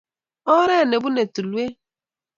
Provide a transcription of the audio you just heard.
Ooret ne punei tulwet.